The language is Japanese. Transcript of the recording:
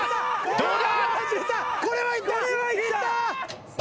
どうだ？